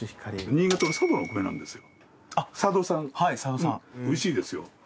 新潟は佐渡のお米なんですよ。